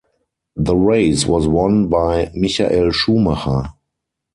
The race was won by Michael Schumacher.